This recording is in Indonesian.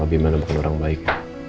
abimana bukan orang baik